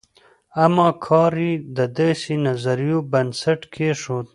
اما کار یې د داسې نظریو بنسټ کېښود.